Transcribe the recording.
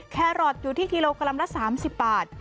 แครอทอยู่ที่กิโลกรัมละ๓๐บาท